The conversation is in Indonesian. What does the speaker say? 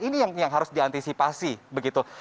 ini yang harus diantisipasi begitu